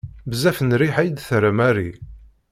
Bezzaf n rriḥa i d-terra Marie.